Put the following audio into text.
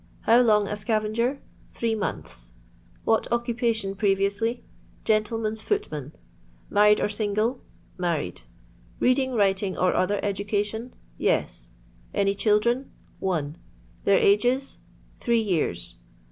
How long a scavenger 1 — Three months. What occupation preriously 1 — Gentleman's footman. Married or single T — Married. Beading, writing, or other education ?— Yes. Any children 1 — One. Their ages t — Three years.